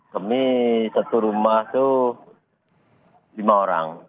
kami satu rumah itu lima orang